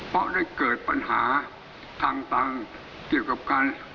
เพราะได้เกิดปัญหาต่างเกี่ยวกับการ